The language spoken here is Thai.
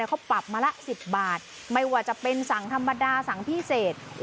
เขาปรับมาละ๑๐บาทไม่ว่าจะเป็นสั่งธรรมดาสั่งพิเศษ